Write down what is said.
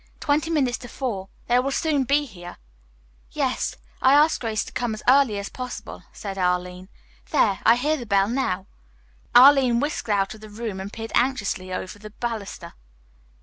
"Twenty minutes to four. They will soon be here." "Yes. I asked Grace to come as early as possible," said Arline. "There, I hear the bell now." Arline whisked out of the room and peered anxiously over the baluster.